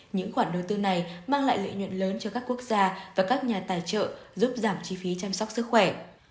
những khoản đầu tư này mang lại lợi nhuận lớn cho các quốc gia và các nhà tài trợ giúp giảm chi phí chăm sóc sức khỏe